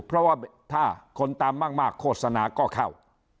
เพราะว่าถ้าคนตามมากโฆษณาก็เข้า